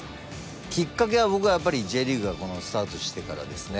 きっかけは僕はやっぱりＪリーグがスタートしてからですね。